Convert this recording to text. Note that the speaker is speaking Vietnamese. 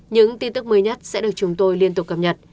những tin tức mới nhất sẽ được chúng tôi liên tục cập nhật